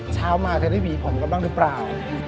เช้ามาจะได้หวีผมกันบ้างหรือเปล่า